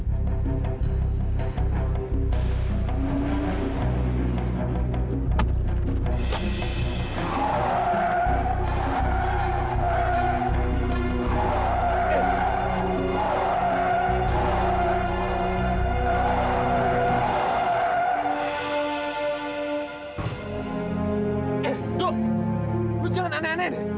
del lo jangan aneh aneh deh